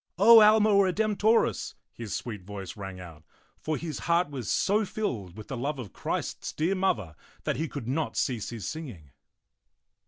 O Alma Redemptorisy his sweet voice rang out; for his heart was so filled with the love of Christ's dear Mother that he could not cease his singing.